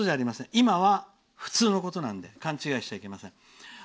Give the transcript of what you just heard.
今は普通のことなので勘違いしちゃいけません。